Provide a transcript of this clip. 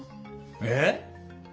えっ！？